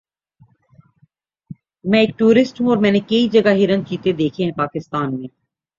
میں ایک ٹورسٹ ہوں اور میں نے کئی جگہ ہرن چیتے دیکھے ہے پاکستان میں